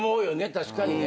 確かにね。